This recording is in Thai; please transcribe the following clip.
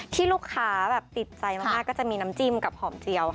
ที่ลูกค้าติดใจมากก็จะมีน้ำจิ้มกับหอมเจียว